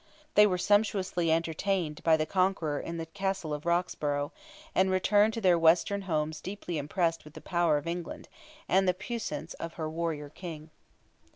They were sumptuously entertained by the conqueror in the Castle of Roxburgh, and returned to their western homes deeply impressed with the power of England, and the puissance of her warrior king.